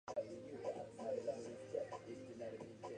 He later realizes his mistake.